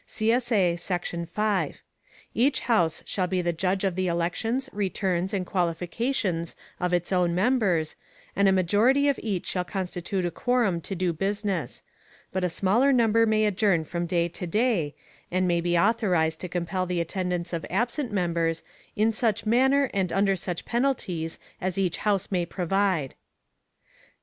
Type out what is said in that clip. [CSA] Section 5. Each House shall be the judge of the elections, returns, and qualifications of its own members, and a majority of each shall constitute a quorum to do business; but a smaller number may adjourn from day to day, and may be authorized to compel the attendance of absent members, in such manner and under such penalties as each House may provide.